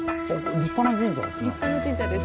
立派な神社です。